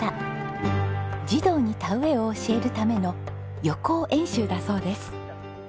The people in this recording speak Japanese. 児童に田植えを教えるための予行演習だそうです。